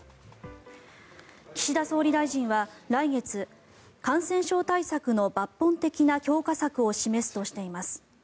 岸田総理大臣は来月感染症対策の抜本的な強化策を示すとしています。